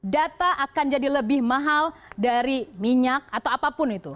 data akan jadi lebih mahal dari minyak atau apapun itu